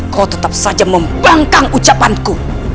kau tetap saja membangkang ucapanku